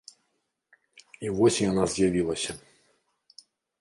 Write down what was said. І вось яна з'явілася.